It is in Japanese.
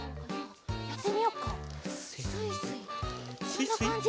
こんなかんじ？